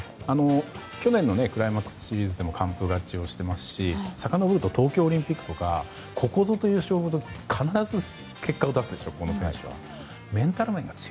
去年のクライマックスシリーズでも完封勝ちをしていますしさかのぼると東京オリンピックとかここぞという勝負どころ必ず結果を出すでしょ、この選手は。